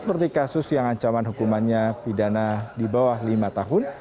seperti kasus yang ancaman hukumannya pidana di bawah lima tahun